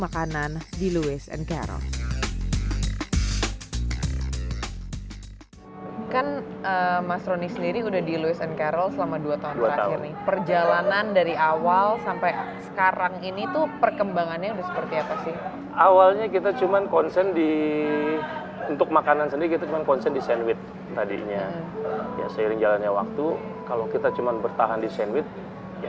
kalau ada occasion birthday